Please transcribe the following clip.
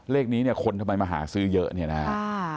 เลขนี้เนี่ยคนทำไมมาหาซื้อเยอะเนี่ยนะฮะ